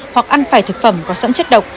hoặc ăn phải thực phẩm có sẵn chất độc